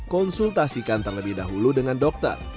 konsultasikan terlebih dahulu dengan dokter